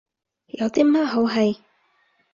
有啲乜好戯？